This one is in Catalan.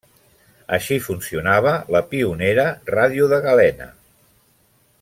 Així funcionava la pionera ràdio de galena.